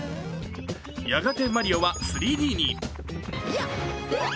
やがてマリオは３Ｄに。